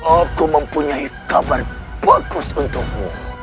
aku mempunyai kabar bagus untukmu